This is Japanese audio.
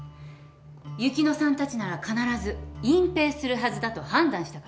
雪乃さんたちなら必ず隠蔽するはずだと判断したからです。